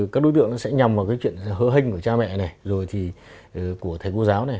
các đối tượng nó sẽ nhằm vào cái chuyện hỡ hình của cha mẹ này rồi thì của thầy cô giáo này